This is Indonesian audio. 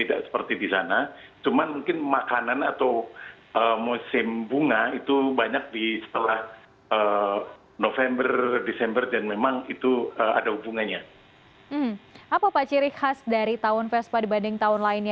apa makanan dari tawon vespa dibanding tawon lainnya